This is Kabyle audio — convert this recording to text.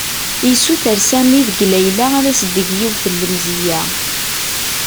Yessuter Sami deg Layla ad as-d-teg yiwet n lemzeyya.